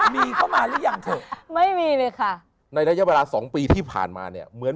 มีเขามาหรือยังไม่มีเลยค่ะในนัยบราศสองปีที่ผ่านมาเนี่ยเหมือน